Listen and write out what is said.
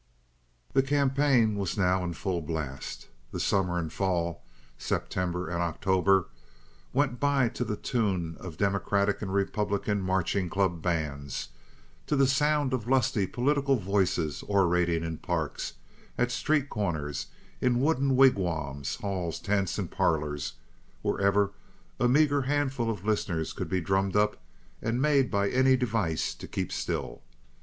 The campaign was now in full blast. The summer and fall (September and October) went by to the tune of Democratic and Republican marching club bands, to the sound of lusty political voices orating in parks, at street corners, in wooden "wigwams," halls, tents, and parlors—wherever a meager handful of listeners could be drummed up and made by any device to keep still.